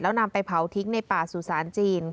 แล้วนำไปเผาทิ้งในป่าสุสานจีน